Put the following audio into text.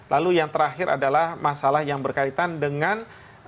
lalu yang terakhir adalah masalah yang berkaitan dengan